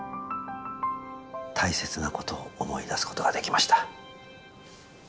大切なことを思い出すことができました。